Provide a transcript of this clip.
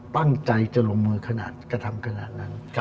ตั้งใจจะลงมือขนาดกระทำขนาดนั้น